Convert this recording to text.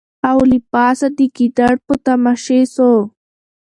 او له پاسه د ګیدړ په تماشې سو